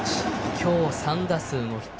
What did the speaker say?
今日は３打数ノーヒット。